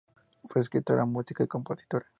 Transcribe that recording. Fue escritora, música y compositora.